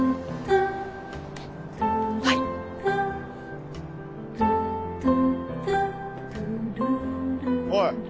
はい。